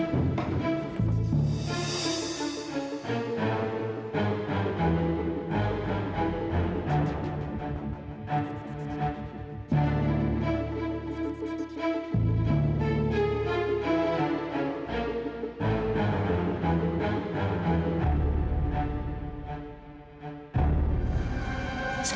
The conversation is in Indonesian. selamat pagi andara